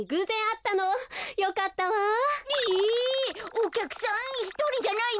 おきゃくさんひとりじゃないの？